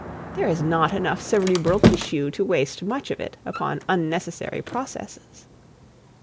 There is not enough cerebral tissue to waste much of it upon unnecessary processes.